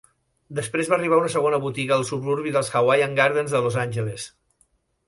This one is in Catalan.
Després va arribar una segona botiga al suburbi dels Hawaiian Gardens de Los Angeles.